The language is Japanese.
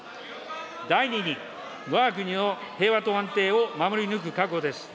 第２に、わが国の平和と安定を守り抜く覚悟です。